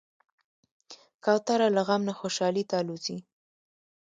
کوتره له غم نه خوشحالي ته الوزي.